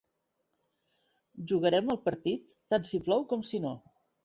Jugarem el partit tant si plou com si no.